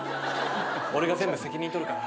俺が全部責任取るから。